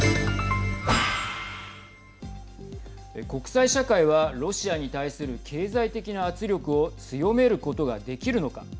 国際社会はロシアに対する経済的な圧力を強めることができるのか。